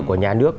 của nhà nước